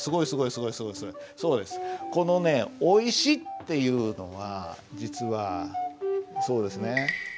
このね「おいし」っていうのは実はそうですね。